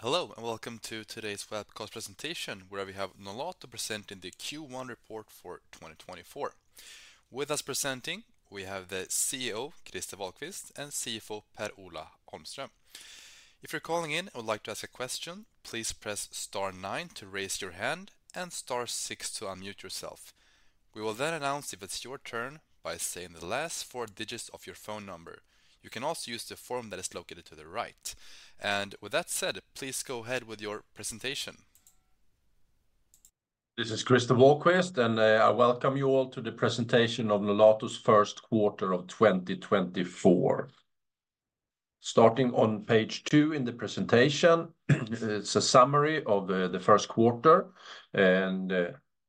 Hello, and welcome to today's webcast presentation, where we have Nolato presenting the Q1 report for 2024. With us presenting, we have the CEO, Christer Wahlquist, and CFO, Per-Ola Holmström. If you're calling in and would like to ask a question, please press star nine to raise your hand and star six to unmute yourself. We will then announce if it's your turn by saying the last four digits of your phone number. You can also use the form that is located to the right. And with that said, please go ahead with your presentation. This is Christer Wahlquist, and I welcome you all to the presentation of Nolato's first quarter of 2024. Starting on page two in the presentation, it's a summary of the first quarter, and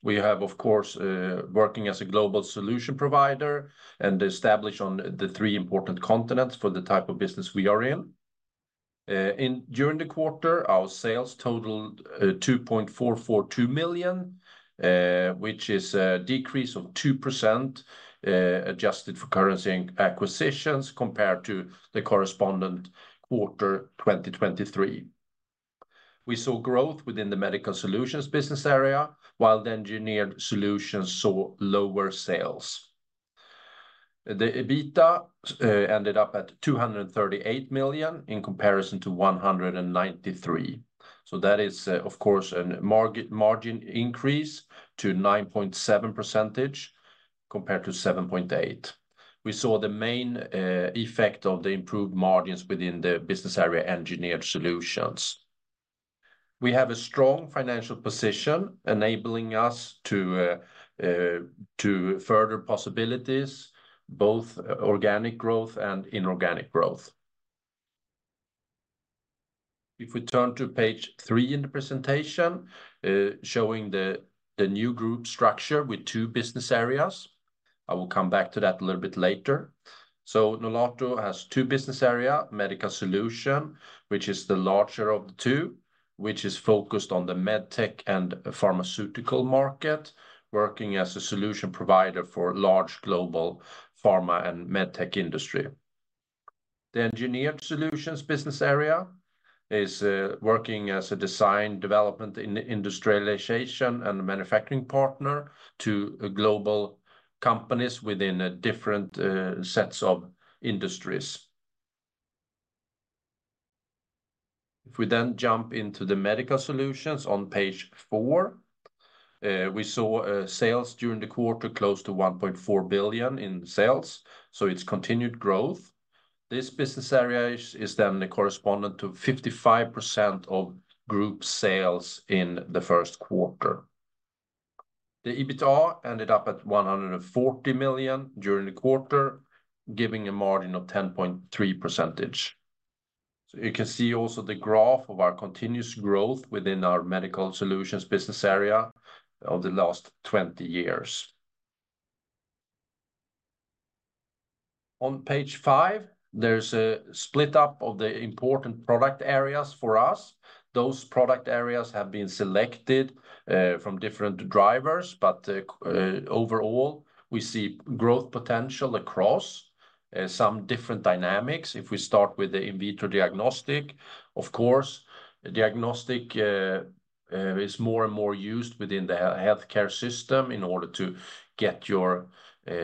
we have, of course, working as a global solution provider and established on the three important continents for the type of business we are in. In during the quarter, our sales totaled 2.442 million, which is a decrease of 2%, adjusted for currency and acquisitions compared to the corresponding quarter 2023. We saw growth within the Medical Solutions business area, while the Engineered Solutions saw lower sales. The EBITA ended up at 238 million in comparison to 193 million. So that is, of course, a margin increase to 9.7% compared to 7.8%. We saw the main effect of the improved margins within the business area, Engineered Solutions. We have a strong financial position, enabling us to further possibilities, both organic growth and inorganic growth. If we turn to page three in the presentation, showing the new group structure with two business areas, I will come back to that a little bit later. So Nolato has two business area, Medical Solutions, which is the larger of the two, which is focused on the med tech and pharmaceutical market, working as a solution provider for large global pharma and med tech industry. The Engineered Solutions business area is working as a design development in industrialization and manufacturing partner to global companies within a different sets of industries. If we then jump into the Medical Solutions on page four, we saw sales during the quarter close to 1.4 billion in sales, so it's continued growth. This business area is then the correspondent to 55% of group sales in the first quarter. The EBITA ended up at 140 million during the quarter, giving a margin of 10.3%. So you can see also the graph of our continuous growth within our Medical Solutions business area of the last 20 years. On page five, there's a split up of the important product areas for us. Those product areas have been selected from different drivers, but overall, we see growth potential across some different dynamics. If we start with the in vitro diagnostic, of course, diagnostic is more and more used within the healthcare system in order to get your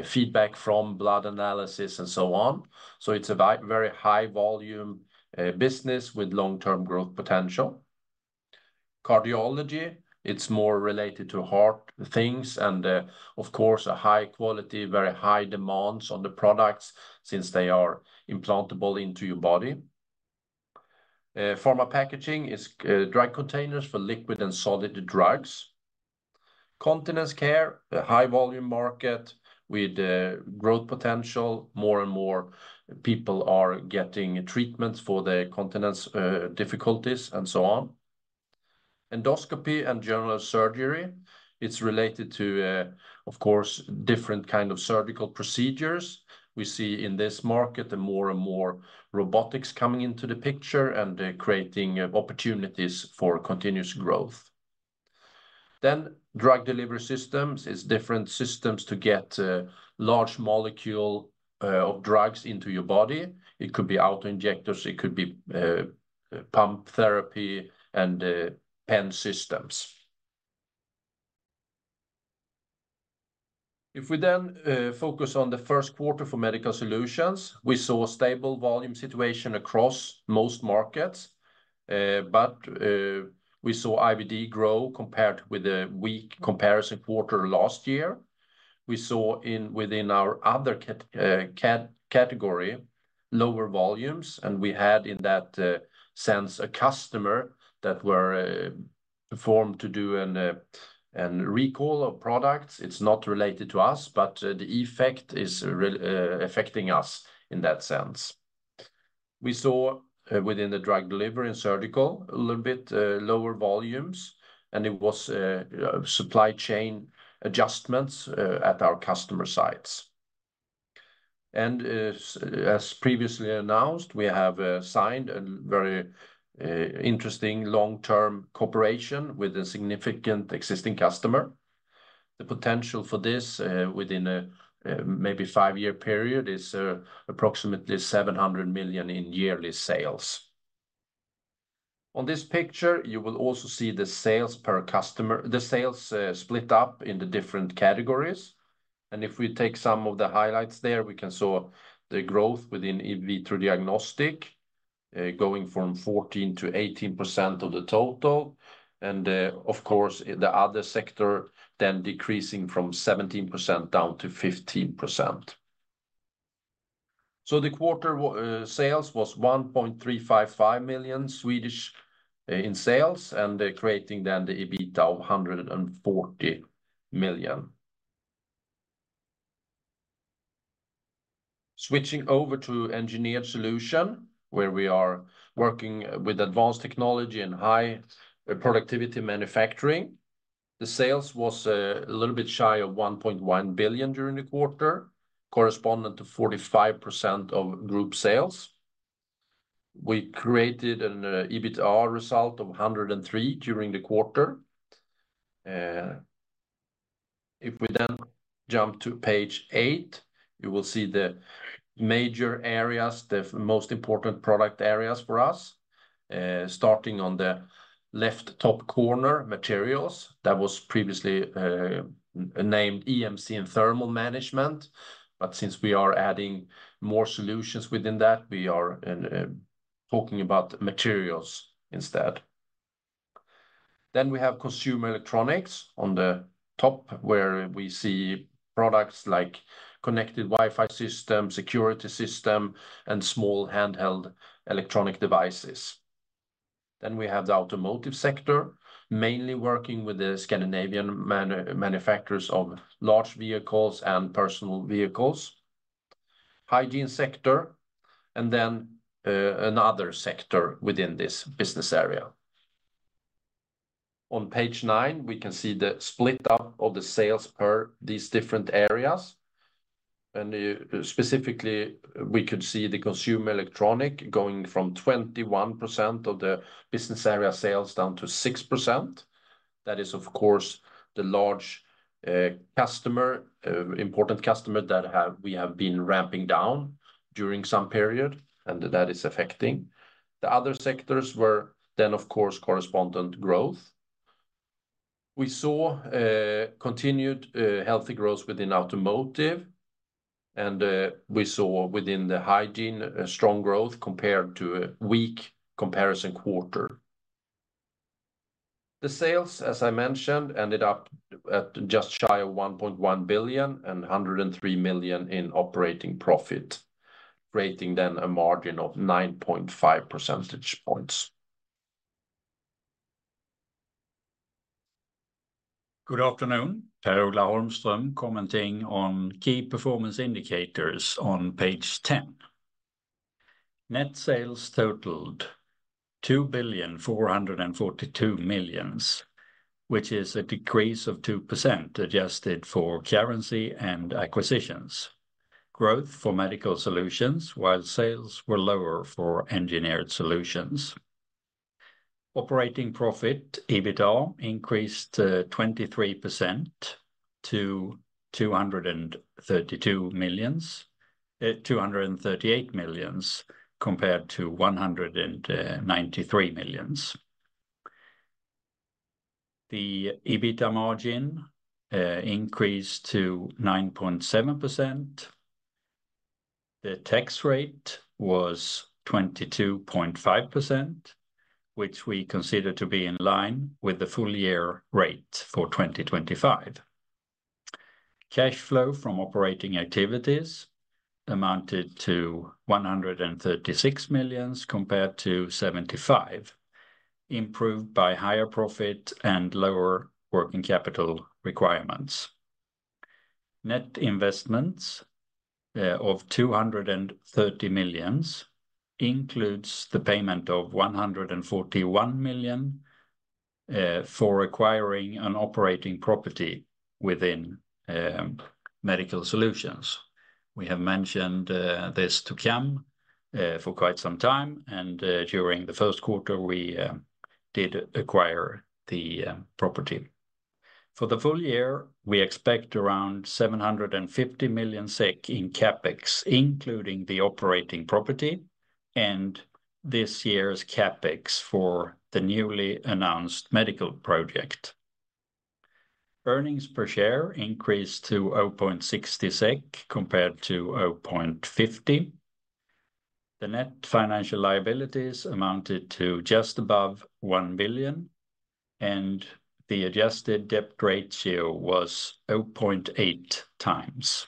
feedback from blood analysis and so on. So it's a very high volume business with long-term growth potential. Cardiology, it's more related to heart things and, of course, a high quality, very high demands on the products since they are implantable into your body. Pharma packaging is dry containers for liquid and solid drugs. Continence care, a high volume market with growth potential. More and more people are getting treatments for their continence difficulties and so on. Endoscopy and general surgery, it's related to, of course, different kind of surgical procedures. We see in this market, the more and more robotics coming into the picture and creating opportunities for continuous growth. Then Drug Delivery Systems is different systems to get large molecule of drugs into your body. It could be auto-injectors, it could be pump therapy, and pen systems. If we then focus on the first quarter for Medical Solutions, we saw a stable volume situation across most markets, but we saw IVD grow compared with the weak comparison quarter last year. We saw within our other catheter category lower volumes, and we had in that sense a customer that were forced to do a recall of products. It's not related to us, but the effect is really affecting us in that sense. We saw within the drug delivery and surgical a little bit lower volumes, and it was supply chain adjustments at our customer sites. As previously announced, we have signed a very interesting long-term cooperation with a significant existing customer. The potential for this within a maybe five-year period is approximately 700 million in yearly sales. On this picture, you will also see the sales per customer, the sales split up into different categories. If we take some of the highlights there, we can see the growth within in vitro diagnostic going from 14%-18% of the total, and of course, the other sector then decreasing from 17% down to 15%. So the quarter sales was 1.355 million in sales, and creating then the EBITA of 140 million. Switching over to Engineered Solutions, where we are working with advanced technology and high productivity manufacturing, the sales was a little bit shy of 1.1 billion during the quarter, corresponding to 45% of group sales. We created an EBITDA result of 103 million during the quarter. If we then jump to page eight, you will see the major areas, the most important product areas for us. Starting on the left top corner, Materials, that was previously named EMC and Thermal Management. But since we are adding more solutions within that, we are talking about materials instead. Then we have Consumer Electronics on the top, where we see products like connected Wi-Fi system, security system, and small handheld electronic devices. Then we have the Automotive sector, mainly working with the Scandinavian manufacturers of large vehicles and personal vehicles, Hygiene sector, and then, another sector within this business area. On page nine, we can see the split up of the sales per these different areas. And, specifically, we could see the Consumer Electronics going from 21% of the business area sales down to 6%. That is, of course, the large, customer, important customer that we have been ramping down during some period, and that is affecting. The other sectors were then, of course, correspondent growth. We saw, continued, healthy growth within Automotive, and, we saw within the Hygiene, a strong growth compared to a weak comparison quarter. The sales, as I mentioned, ended up at just shy of 1.1 billion and 103 million in operating profit, creating then a margin of 9.5 percentage points. Good afternoon, Per-Ola Holmström, commenting on key performance indicators on page 10. Net sales totaled 2.442 billion, which is a decrease of 2%, adjusted for currency and acquisitions. Growth for Medical Solutions, while sales were lower for Engineered Solutions. Operating profit, EBITDA, increased 23% to 232 million, 238 million, compared to 193 million. The EBITDA margin increased to 9.7%. The tax rate was 22.5%, which we consider to be in line with the full year rate for 2025. Cash flow from operating activities amounted to 136 million compared to 75 million, improved by higher profit and lower working capital requirements. Net investments of 230 million includes the payment of 141 million for acquiring an operating property within Medical Solutions. We have mentioned this to Kiam for quite some time, and during the first quarter, we did acquire the property. For the full year, we expect around 750 million SEK in CapEx, including the operating property and this year's CapEx for the newly announced medical project. Earnings per share increased to 0.60 SEK compared to 0.50. The net financial liabilities amounted to just above 1 billion, and the adjusted debt ratio was 0.8 times.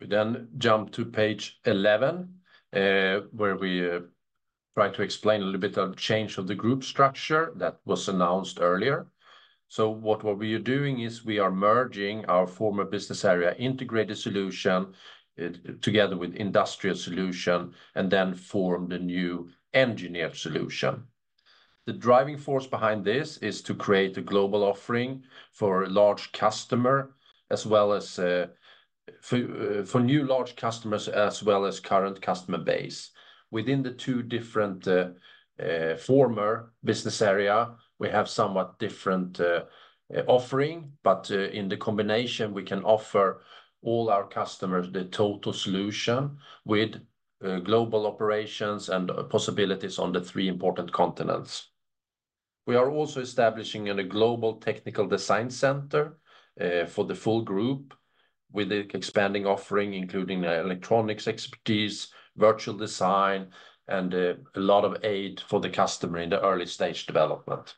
We then jump to page 11, where we try to explain a little bit of change of the group structure that was announced earlier. So what we are doing is we are merging our former business area, Integrated Solutions, together with Industrial Solutions, and then form the new Engineered Solutions. The driving force behind this is to create a global offering for a large customer, as well as for new large customers as well as current customer base. Within the two different former business area, we have somewhat different offering, but in the combination, we can offer all our customers the total solution with global operations and possibilities on the three important continents. We are also establishing a global technical design center, for the full group, with the expanding offering, including the electronics expertise, virtual design, and, a lot of aid for the customer in the early stage development.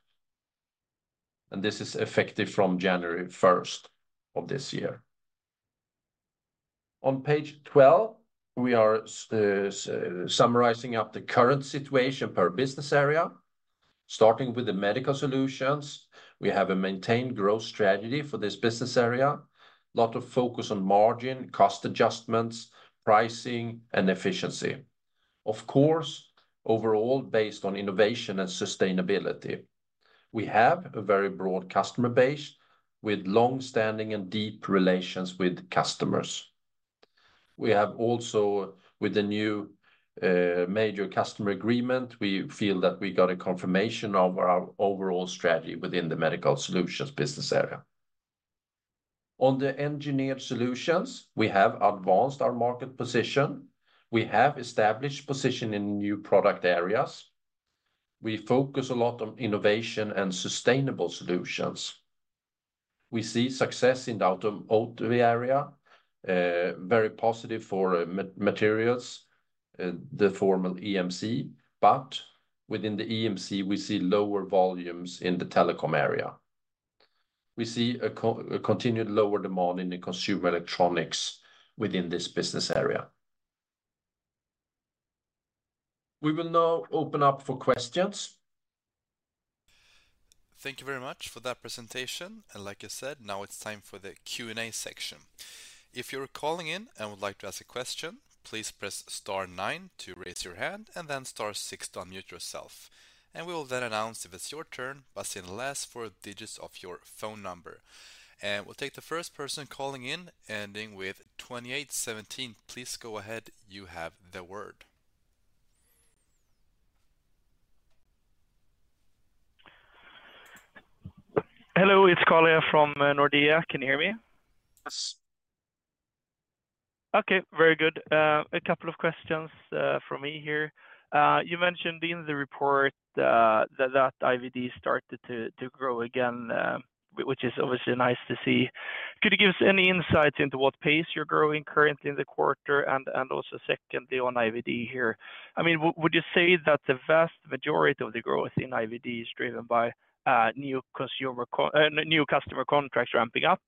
And this is effective from January first of this year. On page 12, we are summarizing up the current situation per business area. Starting with the Medical Solutions, we have a maintained growth strategy for this business area. Lot of focus on margin, cost adjustments, pricing, and efficiency. Of course, overall, based on innovation and sustainability. We have a very broad customer base, with long-standing and deep relations with customers. We have also, with the new, major customer agreement, we feel that we got a confirmation of our overall strategy within the Medical Solutions business area. On the Engineered Solutions, we have advanced our market position. We have established position in new product areas. We focus a lot on innovation and sustainable solutions. We see success in the Automotive area, very positive for materials, the former EMC, but within the EMC, we see lower volumes in the telecom area. We see a continued lower demand in the consumer electronics within this business area. We will now open up for questions. Thank you very much for that presentation, and like I said, now it's time for the Q&A section. If you're calling in and would like to ask a question, please press star nine to raise your hand, and then star six to unmute yourself. And we will then announce if it's your turn, by saying the last four digits of your phone number. And we'll take the first person calling in, ending with 2817. Please go ahead. You have the word. Hello, it's Carl from Nordea. Can you hear me? Yes. Okay, very good. A couple of questions from me here. You mentioned in the report that IVD started to grow again, which is obviously nice to see. Could you give us any insights into what pace you're growing currently in the quarter? And also, secondly, on IVD here, I mean, would you say that the vast majority of the growth in IVD is driven by new customer contracts ramping up,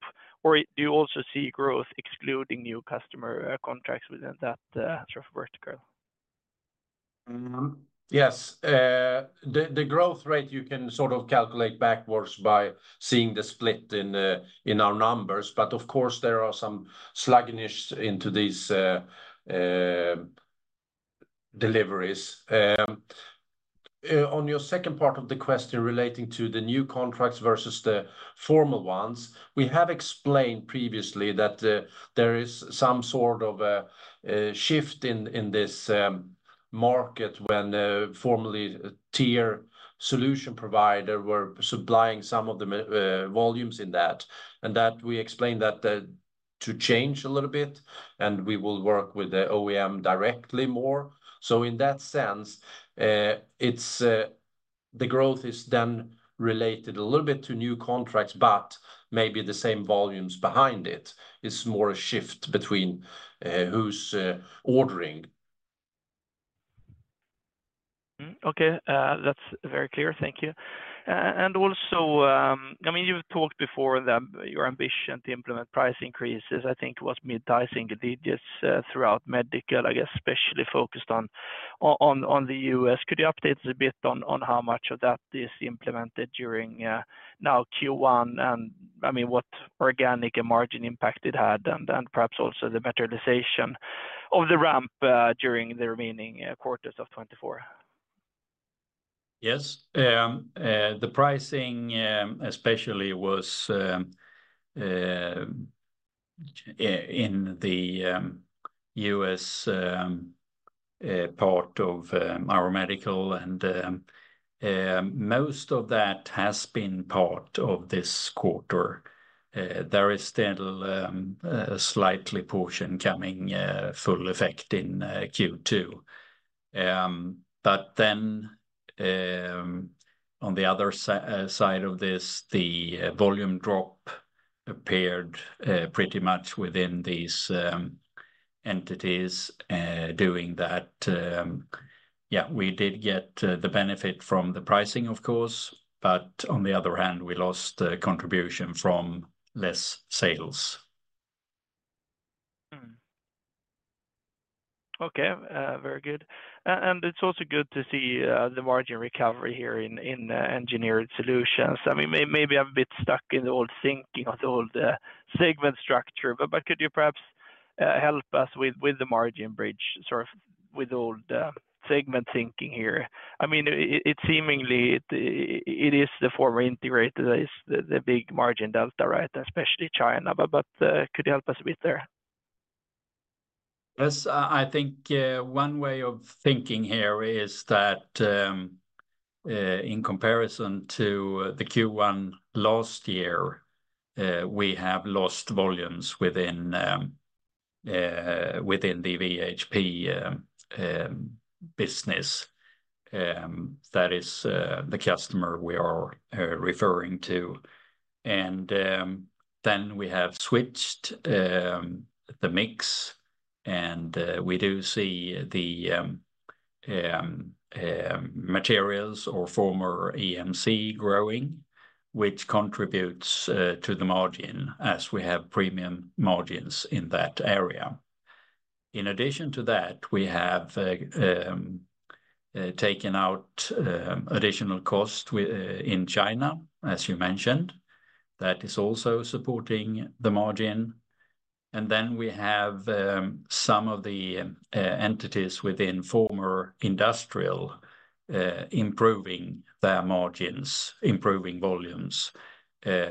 or do you also see growth excluding new customer contracts within that sort of vertical? Yes. The growth rate, you can sort of calculate backwards by seeing the split in our numbers, but of course, there are some sluggishness in these deliveries. On your second part of the question relating to the new contracts versus the former ones, we have explained previously that there is some sort of a shift in this market when formerly tier solution providers were supplying some of the major volumes in that. And that we explained that that too changed a little bit, and we will work with the OEM directly more. So in that sense, it's the growth is then related a little bit to new contracts, but maybe the same volumes behind it. It's more a shift between who's ordering. Mm. Okay. That's very clear. Thank you. And also, I mean, you've talked before that your ambition to implement price increases, I think, was mid-digit throughout medical, I guess, especially focused on the U.S. Could you update us a bit on how much of that is implemented during now Q1, and I mean, what organic and margin impact it had, and perhaps also the materialization of the ramp during the remaining quarters of 2024? Yes. The pricing, especially was in the U.S. part of our medical, and most of that has been part of this quarter. There is still slight portion coming, full effect in Q2. But then, on the other side of this, the volume drop appeared pretty much within these entities doing that. Yeah, we did get the benefit from the pricing, of course, but on the other hand, we lost the contribution from less sales. Mm. Okay, very good. And it's also good to see the margin recovery here in Engineered Solutions. I mean, maybe I'm a bit stuck in the old thinking of the old segment structure, but could you perhaps help us with the margin bridge, sort of with all the segment thinking here? I mean, it seemingly is the former Integrated that is the big margin delta, right? Especially China, but could you help us a bit there? ... Yes, I think one way of thinking here is that in comparison to the Q1 last year, we have lost volumes within the VHP business. That is the customer we are referring to. And then we have switched the mix, and we do see the materials or former EMC growing, which contributes to the margin as we have premium margins in that area. In addition to that, we have taken out additional cost in China, as you mentioned. That is also supporting the margin. And then we have some of the entities within former industrial improving their margins, improving volumes,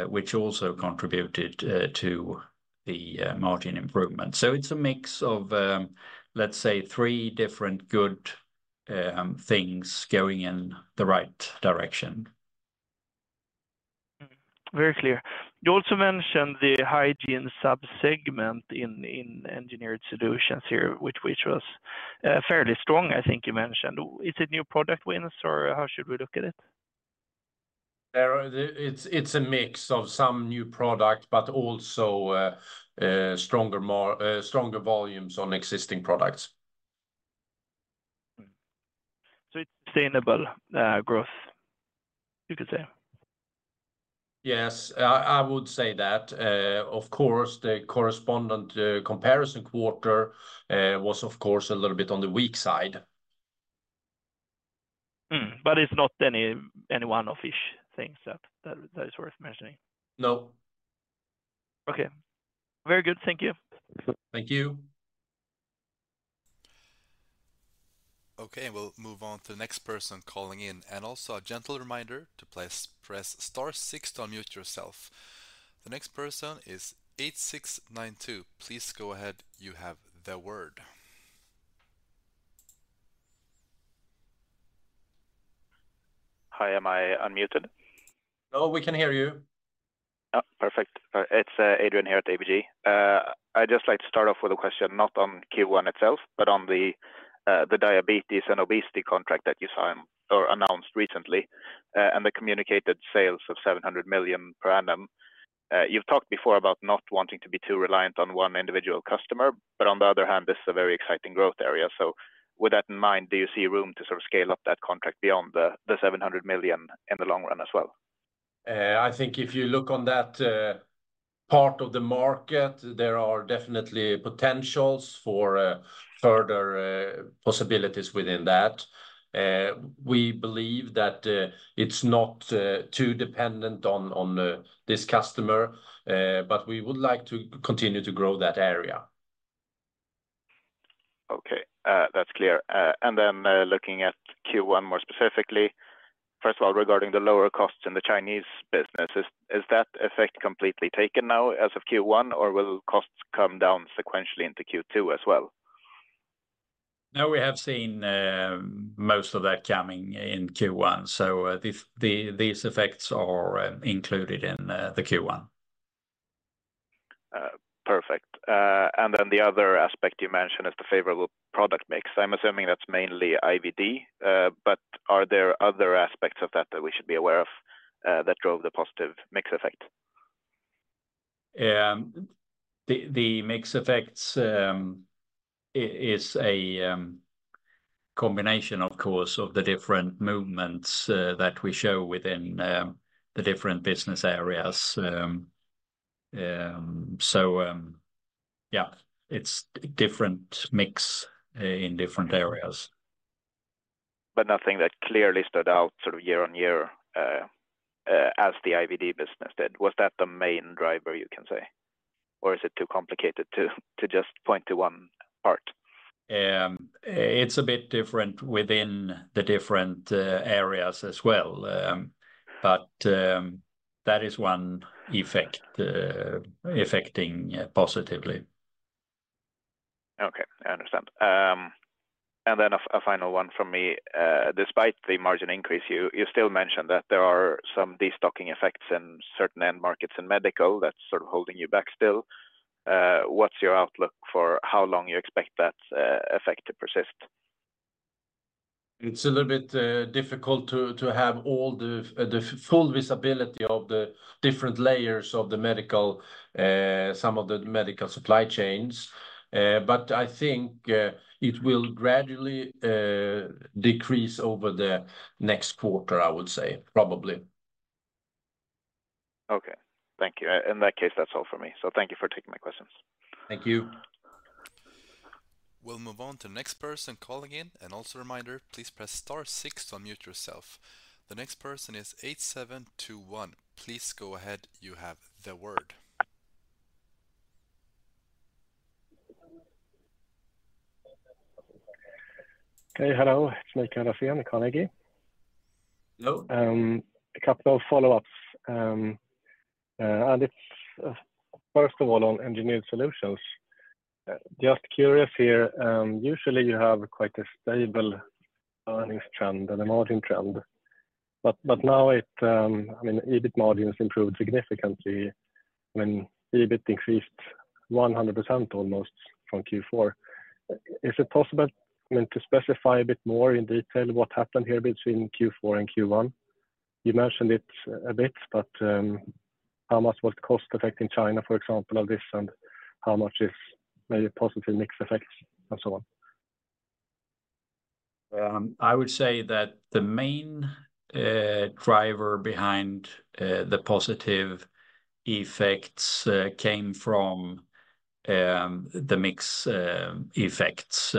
which also contributed to the margin improvement. It's a mix of, let's say, three different good things going in the right direction. Mm-hmm. Very clear. You also mentioned the Hygiene sub-segment in Engineered Solutions here, which was fairly strong, I think you mentioned. Is it new product wins, or how should we look at it? It's a mix of some new product, but also stronger more stronger volumes on existing products. Mm-hmm. So it's sustainable, growth, you could say? Yes, I would say that. Of course, the corresponding comparison quarter was of course a little bit on the weak side. Mm-hmm, but it's not any one-off-ish things that is worth mentioning? No. Okay. Very good. Thank you. Thank you. Okay, we'll move on to the next person calling in. And also a gentle reminder to press, press star six to unmute yourself. The next person is 8692. Please go ahead. You have the word. Hi, am I unmuted? No, we can hear you. Oh, perfect. It's Adrian here at ABG. I'd just like to start off with a question, not on Q1 itself, but on the diabetes and obesity contract that you signed or announced recently, and the communicated sales of 700 million per annum. You've talked before about not wanting to be too reliant on one individual customer, but on the other hand, this is a very exciting growth area. So with that in mind, do you see room to sort of scale up that contract beyond the seven hundred million in the long run as well? I think if you look on that part of the market, there are definitely potentials for further possibilities within that. We believe that it's not too dependent on this customer, but we would like to continue to grow that area. Okay, that's clear. And then, looking at Q1 more specifically, first of all, regarding the lower costs in the Chinese business, is that effect completely taken now as of Q1, or will costs come down sequentially into Q2 as well? No, we have seen most of that coming in Q1, so these effects are included in the Q1. Perfect. And then the other aspect you mentioned is the favorable product mix. I'm assuming that's mainly IVD, but are there other aspects of that that we should be aware of, that drove the positive mix effect? The mix effects is a combination, of course, of the different movements that we show within the different business areas. So, yeah, it's different mix in different areas. But nothing that clearly stood out sort of year-over-year, as the IVD business did. Was that the main driver, you can say, or is it too complicated to just point to one part? It's a bit different within the different areas as well. But that is one effect affecting positively. Okay, I understand. And then a final one from me. Despite the margin increase, you still mentioned that there are some destocking effects in certain end markets in medical that's sort of holding you back still. What's your outlook for how long you expect that effect to persist? It's a little bit difficult to have all the full visibility of the different layers of the medical, some of the medical supply chains. But I think it will gradually decrease over the next quarter, I would say, probably. Okay. Thank you. In that case, that's all for me. So thank you for taking my questions. Thank you. We'll move on to the next person calling in. Also a reminder, please press star six to unmute yourself. The next person is 8721. Please go ahead. You have the word.... Hey, hello, it's Mikael Laséen, Carnegie. Hello. A couple of follow-ups. And it's first of all, on Engineered Solutions. Just curious here, usually you have quite a stable earnings trend and a margin trend, but now it... I mean, EBIT margin has improved significantly when EBIT increased 100% almost from Q4. Is it possible, I mean, to specify a bit more in detail what happened here between Q4 and Q1? You mentioned it a bit, but how much was cost effect in China, for example, of this, and how much is maybe positive mix effects and so on? I would say that the main driver behind the positive effects came from the mix effects.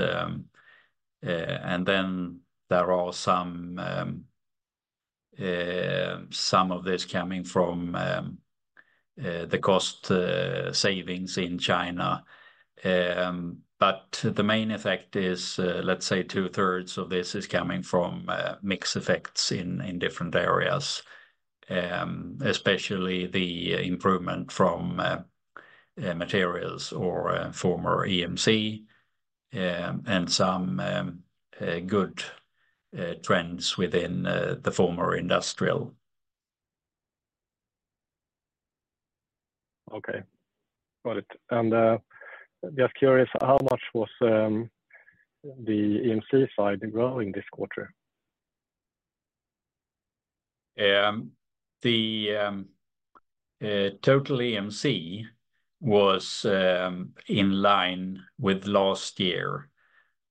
And then there are some of this coming from the cost savings in China. But the main effect is, let's say two-thirds of this is coming from mix effects in different areas, especially the improvement from materials or former EMC, and some good trends within the former industrial. Okay. Got it. And, just curious, how much was the EMC side growing this quarter? The total EMC was in line with last year.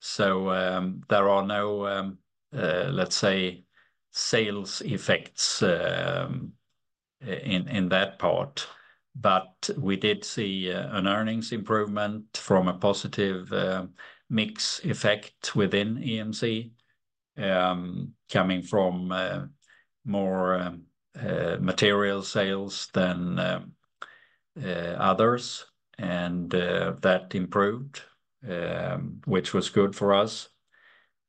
So, there are no, let's say, sales effects in that part. But we did see an earnings improvement from a positive mix effect within EMC, coming from more material sales than others. And that improved, which was good for us.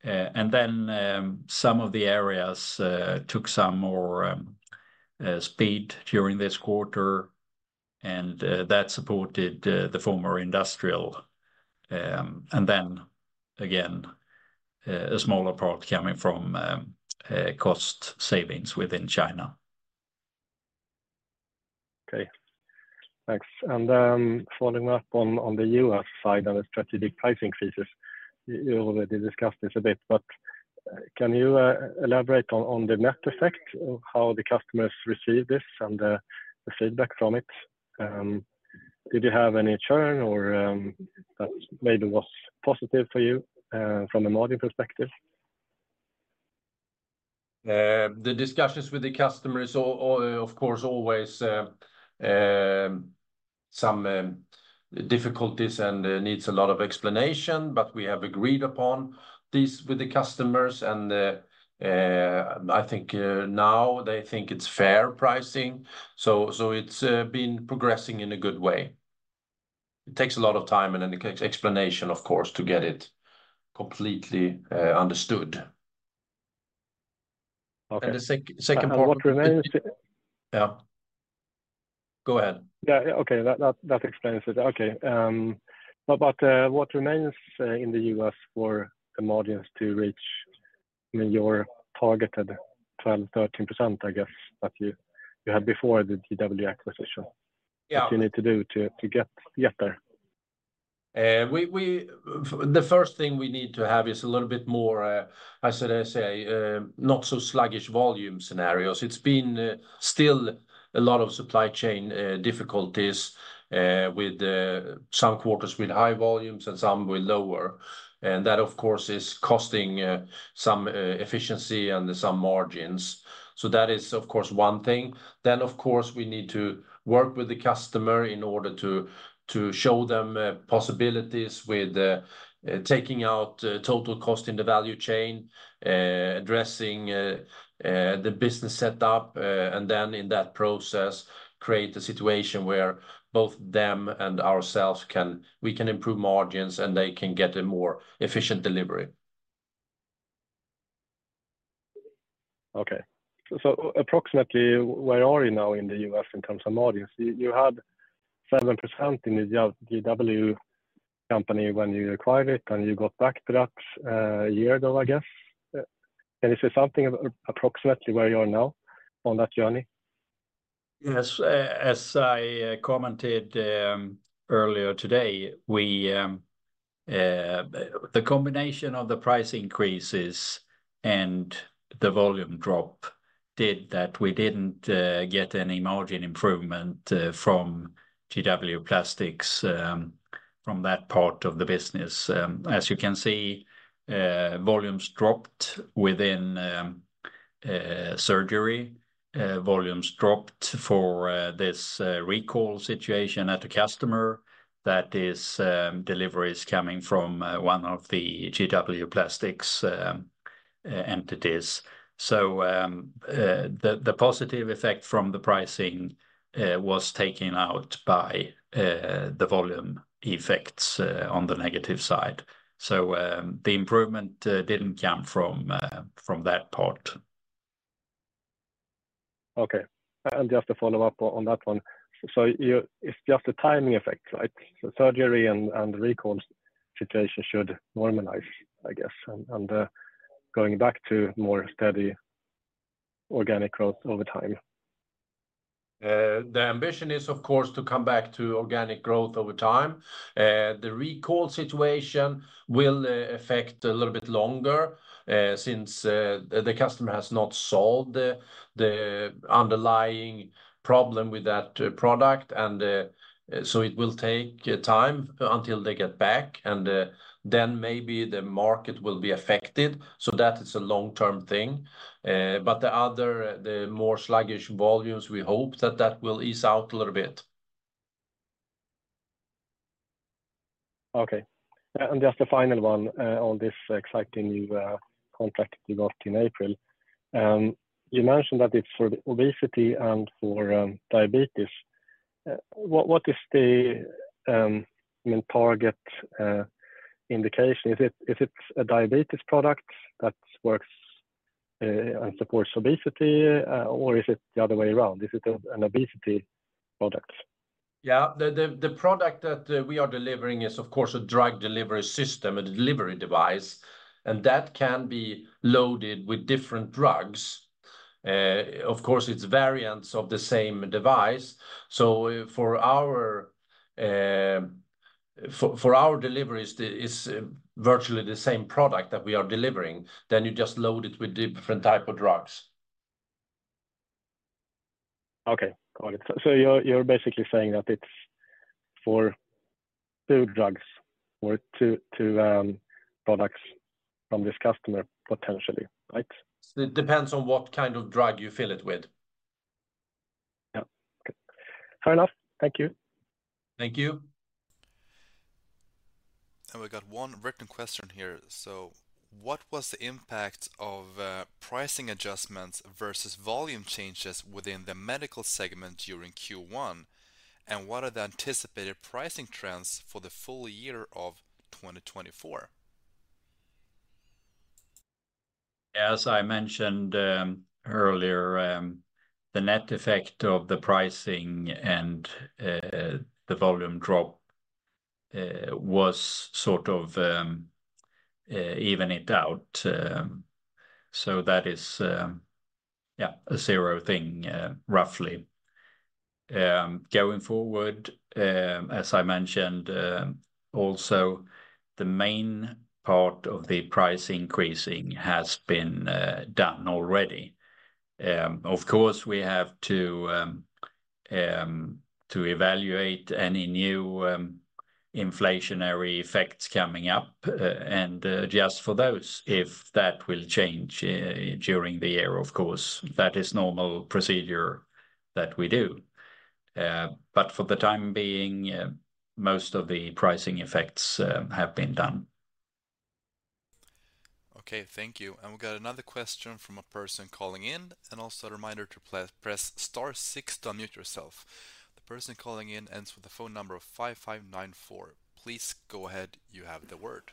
And then, some of the areas took some more speed during this quarter, and that supported the former industrial. And then, again, a smaller part coming from cost savings within China. Okay. Thanks. And, following up on the U.S. side and the strategic price increases, you already discussed this a bit, but, can you elaborate on the net effect of how the customers receive this and the feedback from it? Did you have any churn or that maybe was positive for you from a margin perspective? The discussions with the customers, of course, always some difficulties and needs a lot of explanation, but we have agreed upon this with the customers. I think now they think it's fair pricing, so it's been progressing in a good way. It takes a lot of time and then it takes explanation, of course, to get it completely understood. Okay. And the second part- What remains? Yeah. Go ahead. Yeah, okay, that explains it. Okay. But what remains in the U.S. for the margins to reach your targeted 12%-13%, I guess, that you had before the GW acquisition? Yeah. What you need to do to get there? The first thing we need to have is a little bit more, as I say, not so sluggish volume scenarios. It's been still a lot of supply chain difficulties with some quarters with high volumes and some with lower. And that, of course, is costing some efficiency and some margins. So that is, of course, one thing. Then, of course, we need to work with the customer in order to show them possibilities with taking out total cost in the value chain, addressing the business set up, and then in that process, create a situation where both them and ourselves can we can improve margins, and they can get a more efficient delivery. Okay. So approximately, where are you now in the U.S. in terms of margins? You had 7% in the GW company when you acquired it, and you got back to that a year ago, I guess. Can you say something about approximately where you are now on that journey? Yes. As I commented earlier today, the combination of the price increases and the volume drop did that. We didn't get any margin improvement from GW Plastics from that part of the business. As you can see, volumes dropped within surgery. Volumes dropped for this recall situation at a customer. That is, deliveries coming from one of the GW Plastics entities. So, the positive effect from the pricing was taken out by the volume effects on the negative side. So, the improvement didn't come from that part. Okay. And just to follow up on that one. So, it's just a timing effect, right? So surgery and the recall situation should normalize, I guess, and going back to more steady organic growth over time. The ambition is, of course, to come back to organic growth over time. The recall situation will affect a little bit longer, since the customer has not solved the underlying problem with that product. And so it will take time until they get back, and then maybe the market will be affected. So that is a long-term thing. But the other, the more sluggish volumes, we hope that that will ease out a little bit. Okay. Just a final one on this exciting new contract you got in April. You mentioned that it's for obesity and for diabetes. What is the main target indication? If it's a diabetes product that works and supports obesity, or is it the other way around? Is it an obesity product? Yeah. The product that we are delivering is, of course, a drug delivery system, a delivery device, and that can be loaded with different drugs. Of course, it's variants of the same device. So for our deliveries, it's virtually the same product that we are delivering, then you just load it with different type of drugs. Okay, got it. So you're basically saying that it's for two drugs or two products from this customer, potentially, right? It depends on what kind of drug you fill it with. Yeah. Okay. Fair enough. Thank you. Thank you. We got one written question here: "So what was the impact of pricing adjustments versus volume changes within the medical segment during Q1? And what are the anticipated pricing trends for the full year of 2024? As I mentioned earlier, the net effect of the pricing and the volume drop was sort of even it out. So that is yeah a zero thing roughly. Going forward, as I mentioned also, the main part of the price increasing has been done already. Of course, we have to to evaluate any new inflationary effects coming up and adjust for those if that will change during the year. Of course, that is normal procedure that we do. But for the time being, most of the pricing effects have been done. Okay, thank you. And we've got another question from a person calling in, and also a reminder to please press star six to unmute yourself. The person calling in ends with the phone number of five five nine four. Please go ahead. You have the word.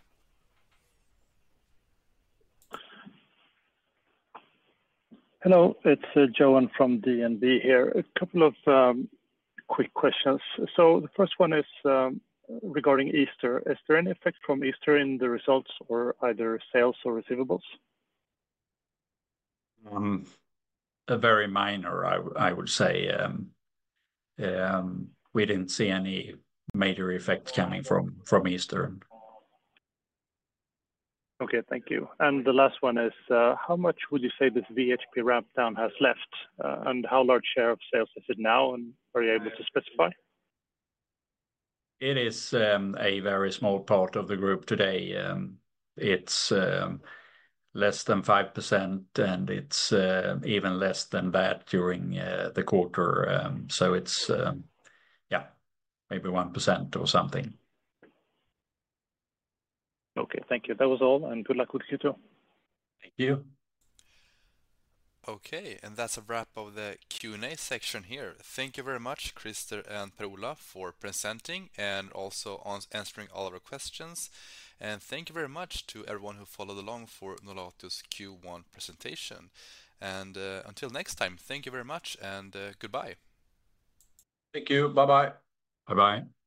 Hello, it's Johan from DNB here. A couple of quick questions. So the first one is regarding Easter. Is there any effect from Easter in the results or either sales or receivables? A very minor, I would say. We didn't see any major effects coming from Easter. Okay, thank you. And the last one is, how much would you say this VHP ramp down has left? And how large share of sales is it now, and are you able to specify? It is a very small part of the group today. It's less than 5%, and it's even less than that during the quarter. So it's yeah, maybe 1% or something. Okay. Thank you. That was all, and good luck with Q2. Thank you. Okay, and that's a wrap of the Q&A section here. Thank you very much, Christer and Per-Ola, for presenting, and also on answering all of our questions. Thank you very much to everyone who followed along for Nolato's Q1 presentation. Until next time, thank you very much, and goodbye. Thank you. Bye-bye. Bye-bye.